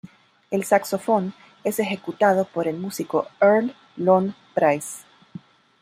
El saxofón es ejecutado por el músico Earl Lon Price.